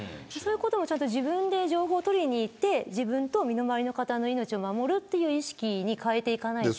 自分で情報を取りにいって自分と身の周りの方の命を守る意識に変えていかないと。